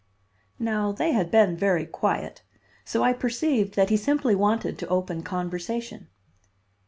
Now they had been very quiet, so I perceived that he simply wanted to open conversation.